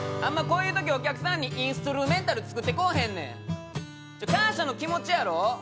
こういう時お客さんにインストゥルメンタル作ってこおへんねん感謝の気持ちやろ？